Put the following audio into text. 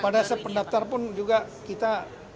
pada saat mendaftar pun juga kita